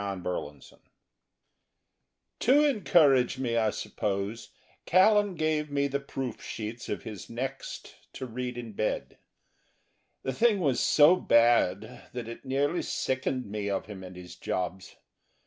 CHAPTER THREE To encourage me, I suppose, Callan gave me the proof sheets of his next to read in bed. The thing was so bad that it nearly sickened me of him and his jobs.